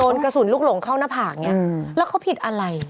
กระสุนลูกหลงเข้าหน้าผากเนี่ยแล้วเขาผิดอะไร